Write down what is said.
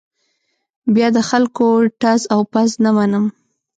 بیا د خلکو ټز او پز نه منم.